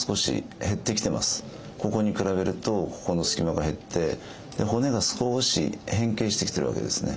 ここに比べるとここの隙間が減って骨が少し変形してきてるわけですね。